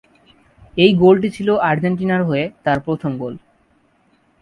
এই গোলটি ছিল আর্জেন্টিনার হয়ে তার প্রথম গোল।